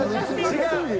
違う。